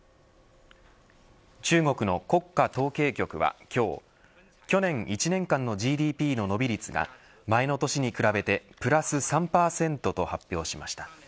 中国の国家統計局は今日去年１年間のＧＤＰの伸び率が前の年に比べてプラス３％と発表しました。